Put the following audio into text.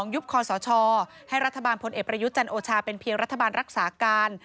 ยุบคอสชให้รัฐบาลพลเอกประยุทธ์จันโอชาเป็นเพียงรัฐบาลรักษาการ